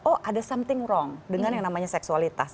oh ada something wrong dengan yang namanya seksualitas